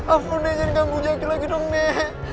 ampun deh jangan kamu jadi lagi dong nih